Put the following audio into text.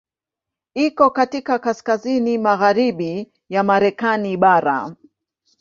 Iko katika kaskazini magharibi ya Marekani bara.